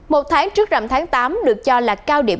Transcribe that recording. một tháng trước rầm tháng tám được cho là cao điểm